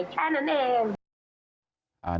แค่นั้นเอง